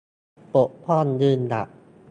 ปกป้อง ยืนหยัด